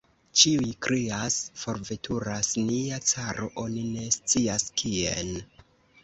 Ĉiuj krias: "forveturas nia caro, oni ne scias kien!"